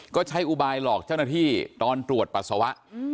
ก็ใช้อุบายหลอกเจ้าหน้าที่ตอนตรวจปัสสาวะ